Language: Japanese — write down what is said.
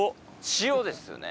塩ですよね。